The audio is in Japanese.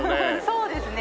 そうですね。